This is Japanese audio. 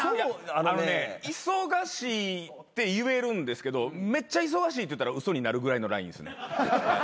あのね忙しいって言えるんですけどめっちゃ忙しいって言ったら嘘になるぐらいのライン。